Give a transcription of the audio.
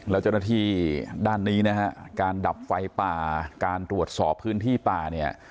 แล้วเจ้าหน้าที่ด้านนี้นะฮะการดับไฟป่าการตรวจสอบพื้นที่ป่าเนี่ย